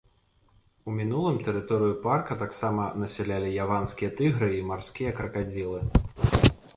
У мінулым тэрыторыю парка таксама насялялі яванскія тыгры і марскія кракадзілы.